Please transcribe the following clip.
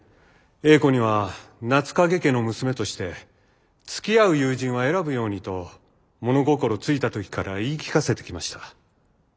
英子には夏影家の娘としてつきあう友人は選ぶようにと物心付いた時から言い聞かせてきました。